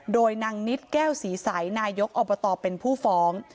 โดยนางนิดแก้วศรีใสนายกอบตเป็นผู้ฟ้อง